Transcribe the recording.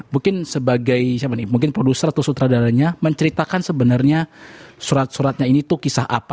mungkin sebagai produser atau sutradaranya menceritakan sebenarnya surat suratnya ini itu kisah apa